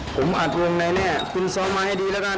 ผมอัดวงในแน่คุณซ้อมมาให้ดีแล้วกัน